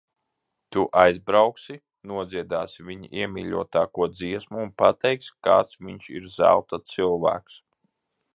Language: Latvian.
Tu aizbrauksi, nodziedāsi viņa iemīļotāko dziesmu un pateiksi, kāds viņš ir zelta cilvēks.